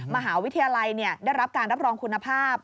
มหาวิทยาลัยได้รับการรับรองคุณภาพ